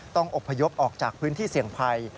ต้องอบพยพออกจากพื้นที่เสี่ยงภัย